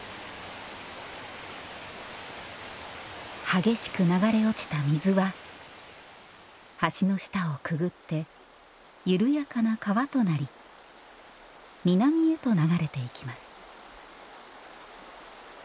激しく流れ落ちた水は橋の下をくぐって緩やかな川となり南へと流れていきます